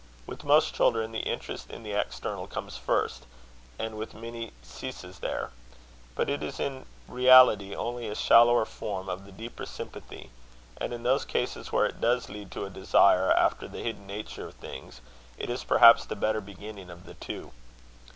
With most children, the interest in the external comes first, and with many ceases there. But it is in reality only a shallower form of the deeper sympathy; and in those cases where it does lead to a desire after the hidden nature of things, it is perhaps the better beginning of the two.